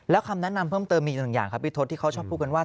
แล้วคำแนะนำเพิ่มเติมมีอีกหนึ่งอย่างครับพี่ทศที่เขาชอบพูดกันว่า